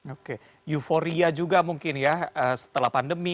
oke euforia juga mungkin ya setelah pandemi